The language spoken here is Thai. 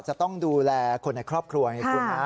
จะต้องดูแลคนในครอบครัวไงคุณนะ